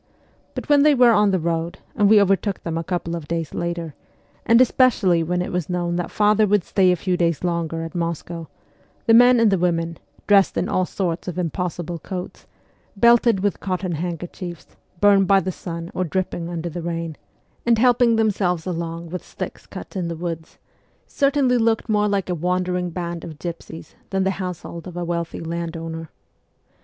But when they were on the road, and we overtook them a couple of days later, and especially when it was known that father would stay a few days longer at Moscow, the men and the women dressed in all sorts of impossible coats, belted with cotton handkerchiefs, burned by the sun or dripping under the rain, and helping themselves along with sticks cut in the woods certainly looked more like a wandering band of gypsies than the household of a wealthy landowner.